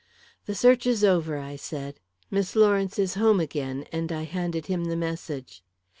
"The search is over," I said. "Miss Lawrence is home again," and I handed him the message.